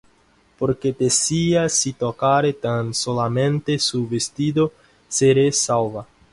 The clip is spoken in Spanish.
Porque decía: Si tocare tan solamente su vestido, seré salva.